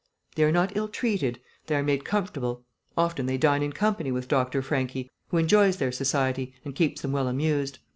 They are not ill treated; they are made comfortable; often they dine in company with Dr. Franchi, who enjoys their society and keeps them well amused.